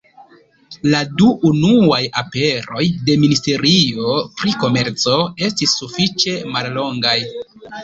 La du unuaj aperoj de ministerio pri komerco estis sufiĉe mallongaj.